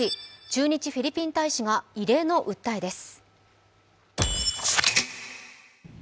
駐日フィリピン大使が異例の訴えです。